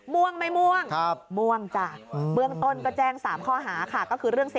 ม่วงมั้ยม่วง